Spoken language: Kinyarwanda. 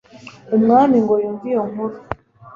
umwami ngo yumve iyo nkuru